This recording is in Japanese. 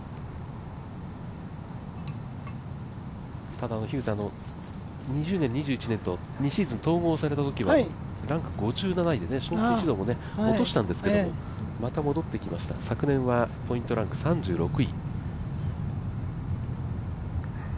ただ、２０年、２１年と２シーズン統合されたときはランク、５７位で落としたんですけどまた戻ってきました、昨年はポイントランク３６位。